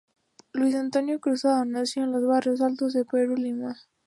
Luis Cruzado nació en los Barrios Altos de Lima, Perú.